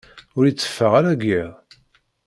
Ur iteffeɣ ara deg yiḍ.